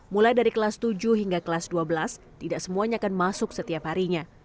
mulai dari kelas tujuh hingga kelas dua belas tidak semuanya akan masuk setiap harinya